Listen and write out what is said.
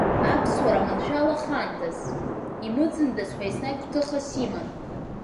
Аԥсуара маншәалахандаз, имыӡындаз ҳәа еснагь гәҭыхас иман…